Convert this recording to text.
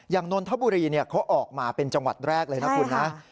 นนทบุรีเขาออกมาเป็นจังหวัดแรกเลยนะคุณนะ